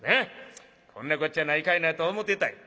こんなこっちゃないかいなと思ってたんや。